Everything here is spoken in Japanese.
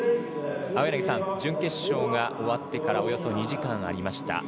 準決勝が終わってからおよそ２時間たちました。